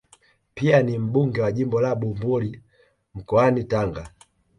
Pia ni mbunge wa jimbo la Bumbuli mkoani Tanga